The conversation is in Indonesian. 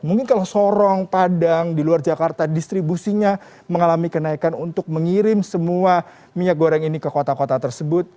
mungkin kalau sorong padang di luar jakarta distribusinya mengalami kenaikan untuk mengirim semua minyak goreng ini ke kota kota tersebut